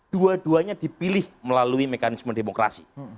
dua duanya dipilih melalui mekanisme demokrasi